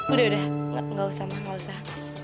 udah udah nggak usah ma nggak usah